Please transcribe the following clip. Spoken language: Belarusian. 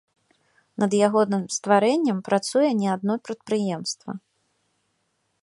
Над ягоным стварэннем працуе не адно прадпрыемства.